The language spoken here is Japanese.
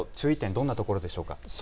どんなところでしょうか。